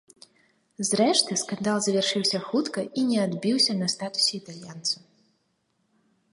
Зрэшты скандал завяршыўся хутка і не адбіўся на статусе італьянца.